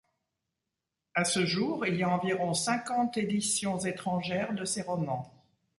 À ce jour, il y a environ cinquante éditions étrangères de ses romans.